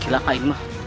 kita butuhkan ini